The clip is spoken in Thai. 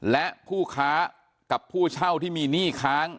และผู้ค้ากับผู้เช่าที่มีหนี้ค้าง